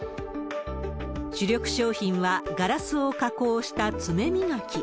主力商品は、ガラスを加工した爪磨き。